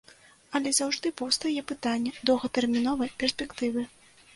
Але заўжды паўстае пытанне доўгатэрміновай перспектывы.